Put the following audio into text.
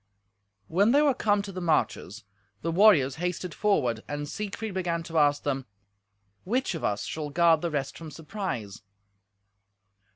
When they were come to the marches, the warriors hasted forward, and Siegfried began to ask them, "Which of us shall guard the rest from surprise?"